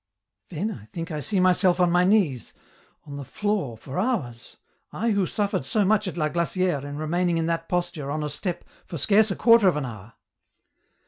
" Then I think I see myself on my knees, on the floor lor hours, I who suffered so much at La Glaciere in remaining in that posture, on a step, for scarce a quarter of an hour.